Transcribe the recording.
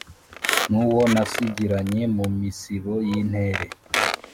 n'uwo nasigiranye mu misibo y'intere,